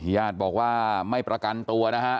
ญาติบอกว่าไม่ประกันตัวนะฮะ